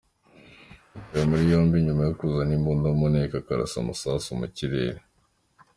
Yatawe muri yombi nyuma yo kuzana imbunda mu nteko akarasa amasasu mu kirere.